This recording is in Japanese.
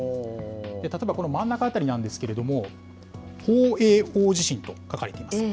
例えばこの真ん中辺りなんですけれども、宝永大地震と書かれています。